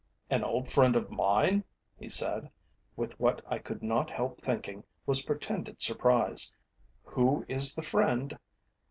"An old friend of mine?" he said, with what I could not help thinking was pretended surprise. "Who is the friend?"